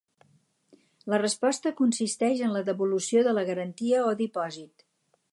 La resposta consisteix en la devolució de la garantia o dipòsit.